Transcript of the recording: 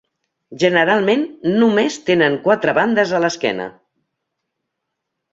Generalment només tenen quatre bandes a l'esquena.